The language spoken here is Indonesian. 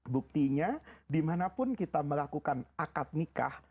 buktinya dimanapun kita melakukan akad nikah